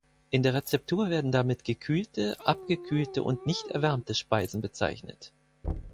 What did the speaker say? In der Rezeptur werden damit gekühlte, abgekühlte und nicht erwärmte Speisen bezeichnet.